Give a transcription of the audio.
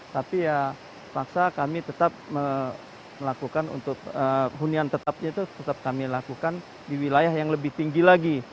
tapi ya paksa kami tetap melakukan untuk hunian tetapnya itu tetap kami lakukan di wilayah yang lebih tinggi lagi